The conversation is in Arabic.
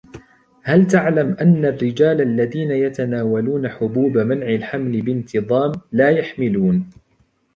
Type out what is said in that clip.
هل تعلم أن الرجال الذين يتناولون حبوب منع الحمل بانتظام لا يحمِلُون ؟